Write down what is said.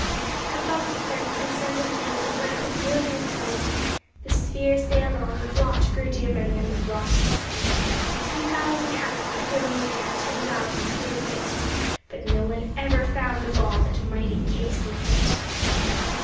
Above the fence in center field, in rapid whirling flight The sphere sailed on; the blot grew dim and then was lost to sight. Ten thousand hats were thrown in air, ten thousand threw a fit; But no one ever found the ball that mighty Casey hit!